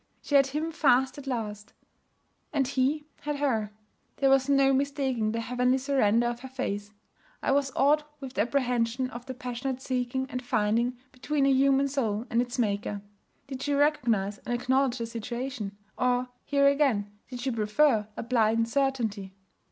She had Him fast at last, and He had her. There was no mistaking the heavenly surrender of her face. I was awed with the apprehension of the passionate seeking and finding between a human soul and its Maker. Did she recognize and acknowledge the situation? Or, here again, did she prefer a blind certainty?